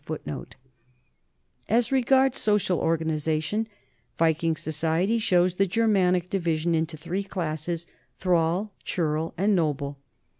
1 As regards social organization, Viking society shows the Germanic division into three classes, thrall, churl, and noble.